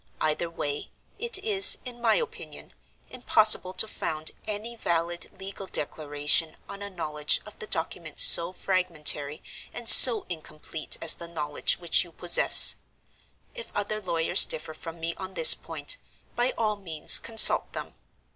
Either way, it is, in my opinion, impossible to found any valid legal declaration on a knowledge of the document so fragmentary and so incomplete as the knowledge which you possess. If other lawyers differ from me on this point, by all means consult them.